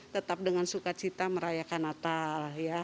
tetap dengan sukacita merayakan natal